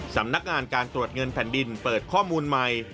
สำนักงานการตรวจเงินแผ่นดินเปิดข้อมูลใหม่